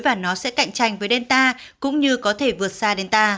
và nó sẽ cạnh tranh với delta cũng như có thể vượt xa